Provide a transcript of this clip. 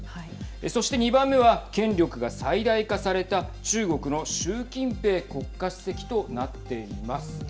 そして２番目は権力が最大化された中国の習近平国家主席となっています。